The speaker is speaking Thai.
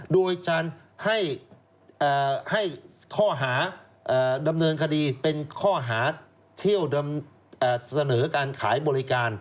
โดยการให้ข้อหาดำเนินคดีเป็นข้อหาเที่ยวเสนอการขายบริการ